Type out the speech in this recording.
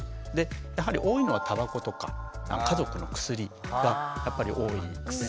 やはり多いのはタバコとか家族の薬がやっぱり多いですね。